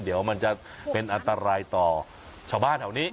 เดี๋ยวมันจะเป็นอันตรายต่อชาวบ้านแถวนี้